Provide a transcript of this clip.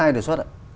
ai đề xuất ạ